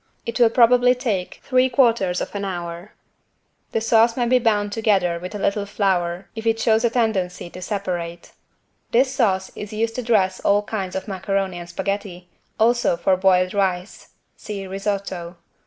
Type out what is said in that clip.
It will probably take 3/4 hour. The sauce may be bound together with a little flour if it shows a tendency to separate. This sauce is used to dress all kinds of macaroni and spaghetti, also for boiled rice (see Risotto).